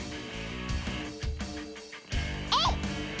えい！